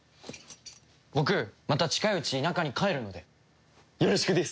僕また近いうち田舎に帰るのでよろしくです！